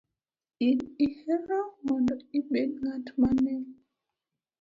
In ihero mondo ibed ng’at mane?